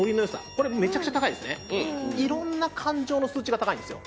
これめちゃくちゃ高いですねいろんな感情の数値が高いんですよ